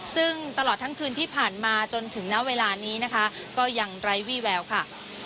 ซึ่งตลอดทั้งคืนที่ผ่านมาจนถึงณเวลานี้นะคะก็ยังไร้วี่แววค่ะ